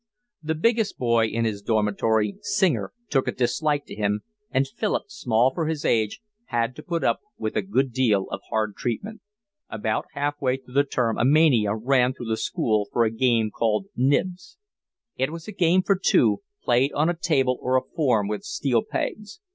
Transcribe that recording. The biggest boy in his dormitory, Singer, took a dislike to him, and Philip, small for his age, had to put up with a good deal of hard treatment. About half way through the term a mania ran through the school for a game called Nibs. It was a game for two, played on a table or a form with steel pens.